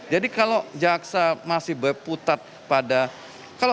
jadi kalau jaksa masih berputat pada